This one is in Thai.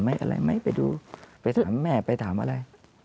ไม่ไปดูไปถามแม่ไปถามอะไร